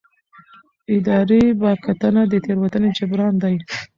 اداري بیاکتنه د تېروتنې جبران دی.